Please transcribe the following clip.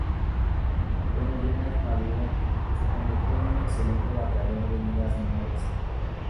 Como Llenas maduró, se convirtió en un excelente bateador de ligas menores.